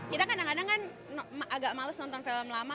kita kadang kadang kan agak males nonton film lama